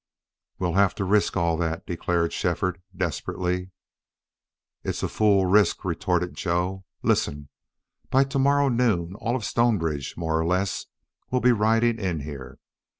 "We'll have to risk all that," declared Shefford, desperately. "It's a fool risk," retorted Joe. "Listen. By tomorrow noon all of Stonebridge, more or less, will be riding in here.